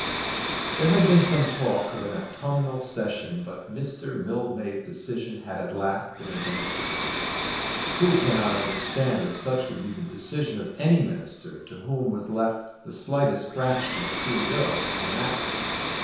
There had been some talk of an autumnal session, but Mr. Mildmay's decision had at last been against it. Who cannot understand that such would be the decision of any Minister to whom was left the slightest fraction of free will in the matter?